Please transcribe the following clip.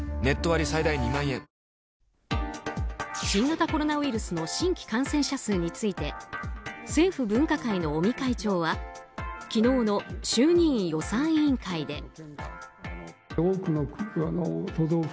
新型コロナウイルスの新規感染者数について政府分科会の尾身会長は昨日の衆議院予算委員会で。